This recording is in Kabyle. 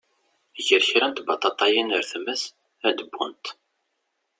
Ger kra n tbaṭaṭayin ar tmes ad d-wwent.